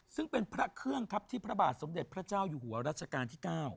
ซึ่งเป็นพระเครื่องครับที่พระบาทสมเด็จพระเจ้าอยู่หัวรัชกาลที่๙